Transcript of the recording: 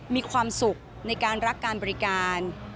มีความสุขในการรักการบริการ